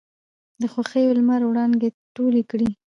د خـوښـيو لمـر وړانـګې تـولې کـړې.